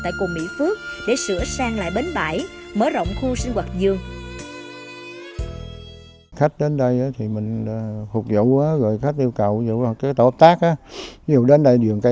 tại cùng mỹ phước để sửa sang lại bến bãi mở rộng khu sinh hoạt dường